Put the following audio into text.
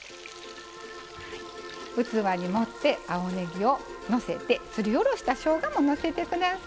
器に盛って青ねぎをのせてすりおろしたしょうがものせて下さい。